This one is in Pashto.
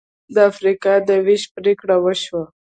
د افریقا د وېش پرېکړه وشوه.